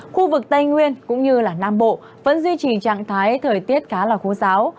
khu vực tây nguyên cũng như nam bộ vẫn duy trì trạng thái thời tiết khá là khô giáo